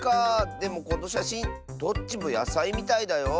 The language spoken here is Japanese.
でもこのしゃしんどっちもやさいみたいだよ。